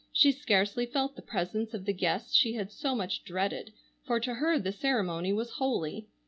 She scarcely felt the presence of the guests she had so much dreaded, for to her the ceremony was holy.